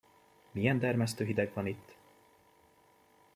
Milyen dermesztő hideg van itt!